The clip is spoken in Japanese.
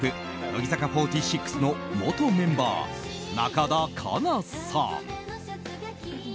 乃木坂４６の元メンバー中田花奈さん。